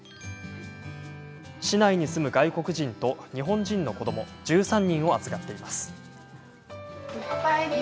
市内に住む外国人と日本人の子ども１３人を預かっています。